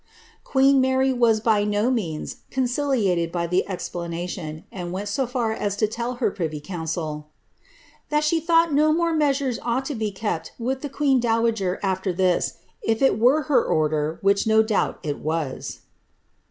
' Qioeen Apiary was by no means conciliated by the explanation, and went •o iar as to tell her privy council, '^ that she thought no more measures ought to be kept with the queen dowager after this, if it were her order, which no doubt it was."